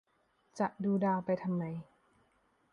จะดูดาวไปทำไม